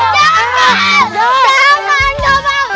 kita disini aja